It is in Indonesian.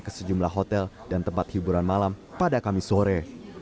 ke sejumlah hotel dan tempat hiburan malam pada kamis sore